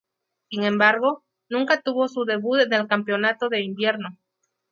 Sin embargo, nunca tuvo su debut en el Campeonato de Invierno.